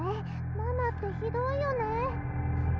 ママってひどいよね